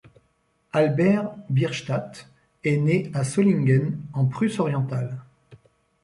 Albert Bierstadt est né à Solingen en Prusse Orientale.